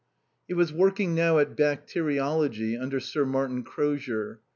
He was working now at bacteriology under Sir Martin Crozier.